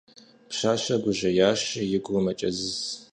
Пщащэр гужьеящи, и гур мэкӀэзыз.